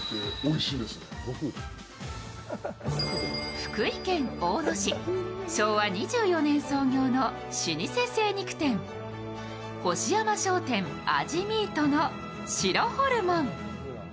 福井県大野市、昭和２４年創業の老舗精肉店、星山商店味ｍｅａｔの白ホルモン